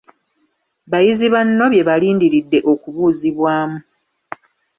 Bayizi banno bye balindiridde okubuuzibwamu.